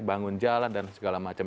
bangun jalan dan segala macam